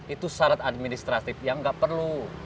itu syarat administratif yang nggak perlu